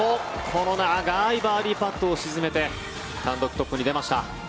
この長いバーディーパットを沈めて単独トップに出ました。